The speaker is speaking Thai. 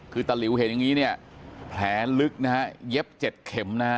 คือตะลิวเห็นอย่างนี้แผลลึกเย็บเจ็ดเข็มนะครับ